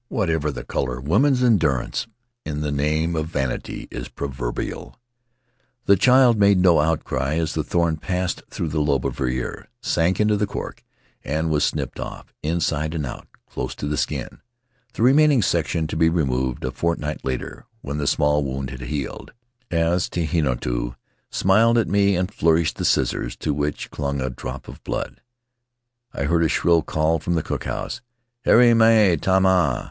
Whatever her color, woman's endurance in the name of vanity is proverbial; the child made no outcry as the thorn passed through the lobe of her ear, sank into the cork, and was snipped off, inside and out, close to the skin — the remaining section to be removed a fortnight later, when the small wound had healed. As Tehinatu smiled at me and flourished the scissors, to which clung a drop of blood, I heard a shrill call from the cook house, "Haere mai tamaa!'